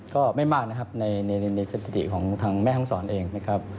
ก็ไม่มากนะครับในสถิติของทางแม่ห้องศรเองนะครับ